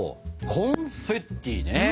コンフェッティね！